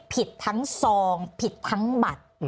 ผิดทั้งซองผิดทั้งบัตร